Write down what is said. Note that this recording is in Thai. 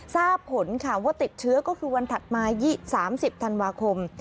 ทราบผลค่ะว่าติดเชื้อก็คือวันถัดมา๒๓๐ธันวาคม